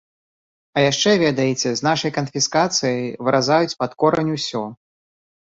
А яшчэ, ведаеце, з нашай канфіскацыяй выразаюць пад корань усё.